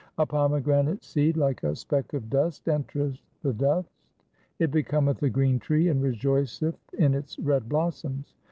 2 A pomegranate seed like a speck of dust entereth the dust. It becometh a green tree, and rejoiceth in its red blossoms.